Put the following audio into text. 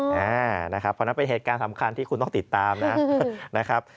เพราะฉะนั้นเป็นเหตุการณ์สำคัญที่คุณต้องติดตามนะครับ